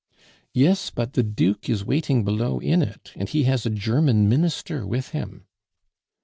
"Yes, but the Duke is waiting below in it, and he has a German Minister with him."